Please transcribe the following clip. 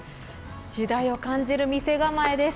時代を感じる店構えです。